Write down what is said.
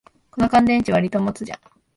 この乾電池、わりと持つじゃん